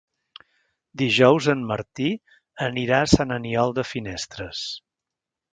Dijous en Martí anirà a Sant Aniol de Finestres.